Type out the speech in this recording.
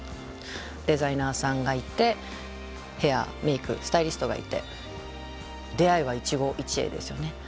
デザイナーさんがいてヘアメークスタイリストがいて出会いは一期一会ですよね。